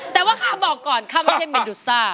แต่ว่าข้าบอกก่อนข้าไม่ใช่เมดุซ่า